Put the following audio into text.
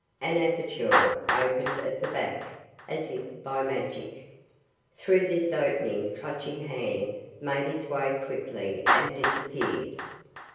An aperture opened at the back, as if by magic. Through this opening Clutching Hand made his way quickly and disappeared.